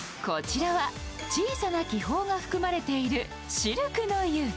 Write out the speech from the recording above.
こちらは小さな気泡が含まれているシルクの湯。